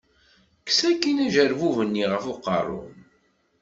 Kkes akin ajerbub-nni ɣef uqerru-m.